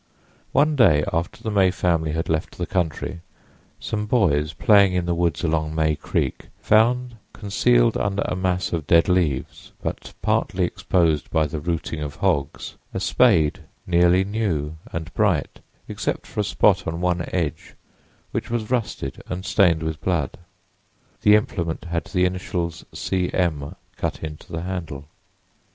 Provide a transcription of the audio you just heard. One day after the May family had left the country, some boys, playing in the woods along May Creek, found concealed under a mass of dead leaves, but partly exposed by the rooting of hogs, a spade, nearly new and bright, except for a spot on one edge, which was rusted and stained with blood. The implement had the initials C. M. cut into the handle.